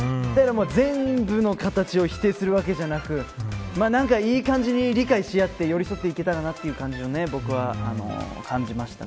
全部の形を否定するわけじゃなくいい感じに理解し合って寄り添っていけたらなと感じました。